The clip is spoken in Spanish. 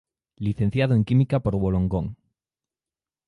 Licenciado en química por Wollongong.